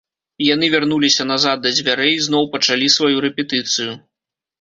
Яны вярнуліся назад да дзвярэй і зноў пачалі сваю рэпетыцыю.